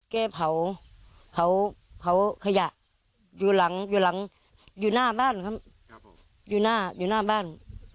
แกเผาขยะอยู่หลังอยู่หลังอยู่หน้าบ้านครับผมอยู่หน้าอยู่หน้าบ้าน